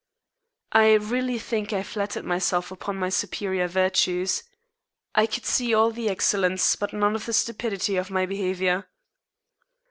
I really think I flattered myself upon my superior virtues. I could see all the excellence but none of the stupidity of my behavior.